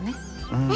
うん。